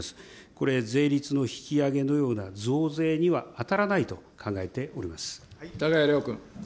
これ、税率の引き上げのような増税には当たらないと考えておりまたがや亮君。